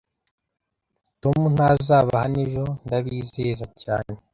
Tom ntazaba hano ejo. Ndabizeza cyane